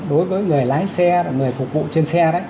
đối với người lái xe người phục vụ trên xe